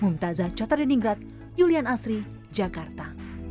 mumtazah chota dendingrat yulian asri jakarta